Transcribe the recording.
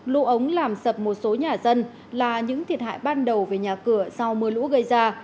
lũ ống làm sập một số nhà dân là những thiệt hại ban đầu về nhà cửa do mưa lũ gây ra